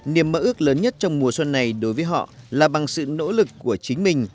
niềm mơ ước lớn nhất trong mùa xuân này đối với họ là bằng sự nỗ lực của chính mình